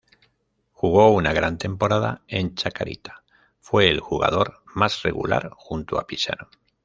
Jugo una gran temporada en Chacarita, fue el jugador mas regular junto a Pisano.